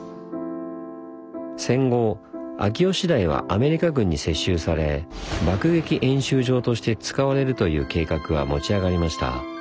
戦後秋吉台はアメリカ軍に接収され爆撃演習場として使われるという計画が持ち上がりました。